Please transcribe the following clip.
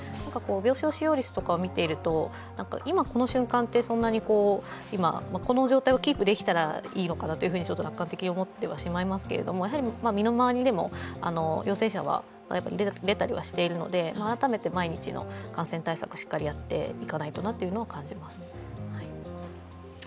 病床使用率とかを見ていると今この瞬間ってこの状態をキープできたらいいのかなと楽観的に思ってはしまいますけれども身の回りでも、陽性者は出たりはしているので改めて毎日の感染対策をしっかりやっていかないとなというのは感じます。